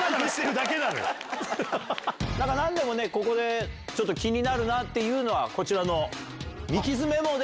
だからなんでもね、ここでちょっと気になるなっていうのは、こちらのミキズメモで。